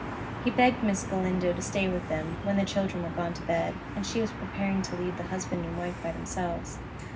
He begged Miss Galindo to stay with them, when the children were gone to bed, and she was preparing to leave the husband and wife by themselves.